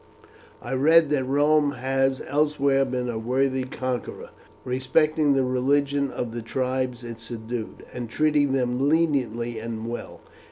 I read that Rome has elsewhere been a worthy conqueror, respecting the religion of the tribes it subdued, and treating them leniently and well.